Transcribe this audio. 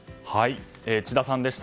千田さんでした。